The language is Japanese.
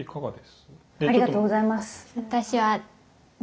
ありがとうございます。